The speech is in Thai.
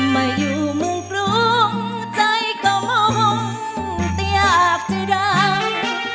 มาอยู่เมืองกรุงใจก็มองแต่อยากจะดัง